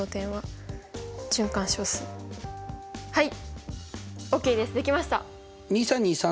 はい。